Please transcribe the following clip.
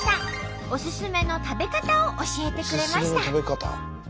オススメの食べ方を教えてくれました。